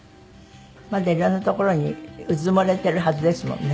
まだ色んなところに埋もれているはずですもんね。